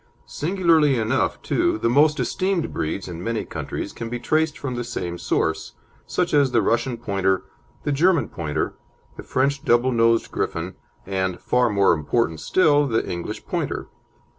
Singularly enough, too, the most esteemed breeds in many countries can be traced from the same source, such as the Russian Pointer, the German Pointer, the French double nosed Griffon, and, far more important still, the English Pointer.